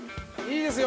いいですよ！